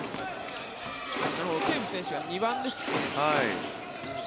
テーブス選手は２番ですね。